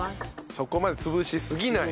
そこまで潰しすぎない。